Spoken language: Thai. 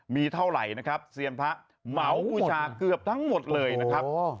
มีเท่าไหร่นะครับเซียนพระเหมาบูชาเกือบทั้งหมดเลยนะครับ